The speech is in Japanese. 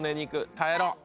耐えろ！